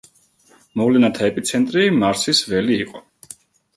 მოვლენათა ეპიცენტრი მარსის ველი იყო.